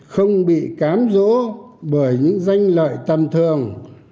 không bị cám dỗ bởi những danh lợi tầm thường